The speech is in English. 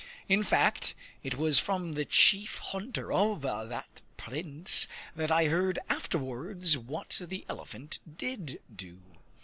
In fact, it was from the chief hunter of that Prince that I heard afterwards what the elephant did do.